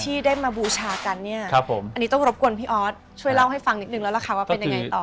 ที่ได้มาบูชากันเนี่ยครับผมอันนี้ต้องรบกวนพี่ออสช่วยเล่าให้ฟังนิดนึงแล้วล่ะค่ะว่าเป็นยังไงต่อ